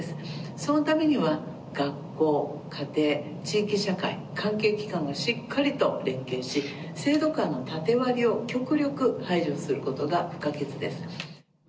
そのためには、学校、家庭、地域社会、関係機関がしっかりと連携し、制度間の縦割りを極力排除することが不可欠です。